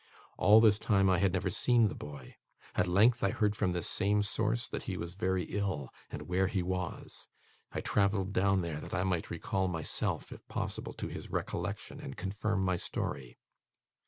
All this time I had never seen the boy. At length, I heard from this same source that he was very ill, and where he was. I travelled down there, that I might recall myself, if possible, to his recollection and confirm my story.